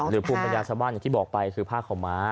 หรือภูมิปัญญาสมบัติอย่างที่บอกไปคือผ้าของม้า